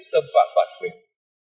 xâm phạm bản quyền